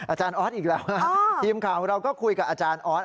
อาจารย์ออสอีกแล้วทีมข่าวของเราก็คุยกับอาจารย์ออส